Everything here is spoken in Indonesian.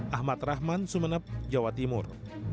ahmad rahman sumeneb jawa timur